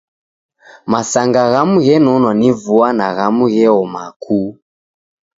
Masanga ghamu ghenonwa ni vua na ghamu gheoma kuu!